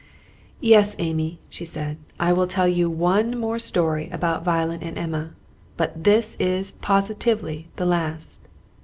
"Yes, Amy," she said, "I will tell you one more story about Violet and Emma; but this is positively the last."